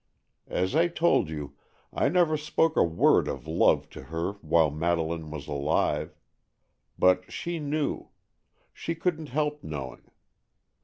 As I told you, I never spoke a word of love to her while Madeleine was alive. But she knew,—she couldn't help knowing.